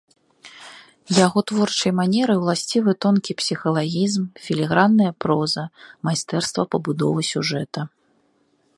Яго творчай манеры ўласцівы тонкі псіхалагізм, філігранная проза, майстэрства пабудовы сюжэта.